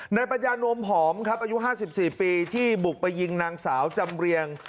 ปัญญานวมหอมครับอายุ๕๔ปีที่บุกไปยิงนางสาวจำเรียง